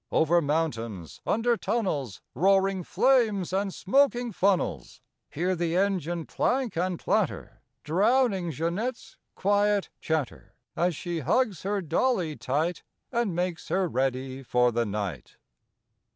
Over mountains, under tunnels, Roaring flames and smoking funnels— Hear the engine clank and clatter! Drowning Jeanette's quiet chatter As she hugs her dolly tight And makes her ready for the night.